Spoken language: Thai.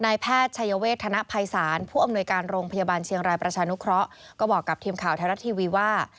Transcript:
นายแพทย์ชัยเวทธนภัยศาลผู้อำนวยการโรงพยาบาลเชียงรายประชานุเคราะห์ก็บอกกับทีมข่าวไทยรัฐทีวีว่า